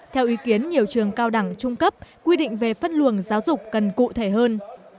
theo ý kiến nhiều trường cao đẳng trung cấp quy định về phân luồng giáo dục cần cụ thể hơn